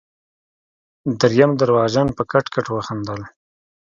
دريم درواغجن په کټ کټ وخندل.